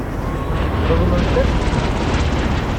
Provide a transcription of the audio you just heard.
Ṛeḍlent-asen-tent.